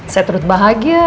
saya terus bahagia ya